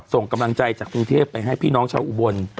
ส่งกำลังใจจากกรุงเทพไปให้พี่น้องชาวอุบล